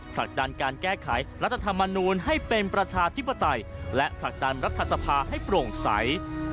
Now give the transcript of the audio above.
ผลักดันการแก้ไขรัฐธรรมนูลให้เป็นประชาธิปไตยและผลักดันรัฐสภาให้โปร่งใส